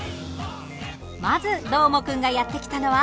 まずどーもくんがやって来たのは。